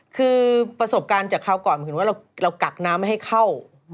คือประสบการณ์จากคราวก่อนเหมือนว่าเรากักน้ำไม่ให้เข้า